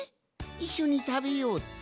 いっしょにたべようって？